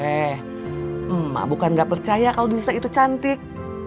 eh emak bukan gak percaya kalau diesel itu cantik